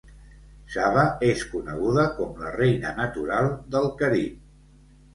Saba és coneguda com la "La reina natural" del Carib.